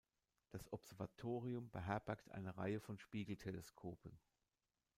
Das Observatorium beherbergt eine Reihe von Spiegelteleskopen.